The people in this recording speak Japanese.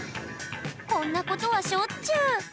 こんなことはしょっちゅう。